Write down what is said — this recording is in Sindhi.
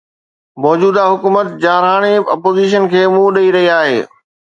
موجوده حڪومت جارحاڻي اپوزيشن کي منهن ڏئي رهي آهي.